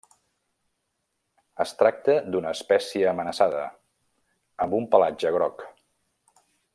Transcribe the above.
Es tracta d'una espècie amenaçada, amb un pelatge groc.